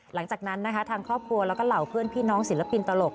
หลังจากนั้นนะคะทางครอบครัวแล้วก็เหล่าเพื่อนพี่น้องศิลปินตลก